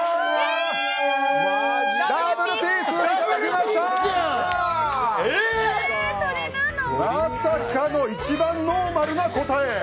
まさかの一番ノーマルな答え。